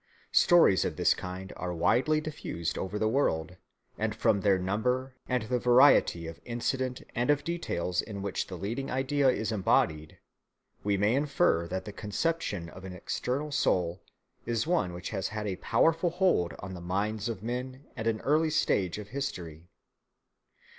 Stories of this kind are widely diffused over the world, and from their number and the variety of incident and of details in which the leading idea is embodied, we may infer that the conception of an external soul is one which has had a powerful hold on the minds of men at an early stage of history.